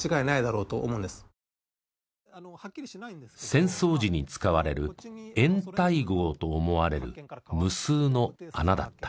戦争時に使われる掩体壕と思われる無数の穴だった。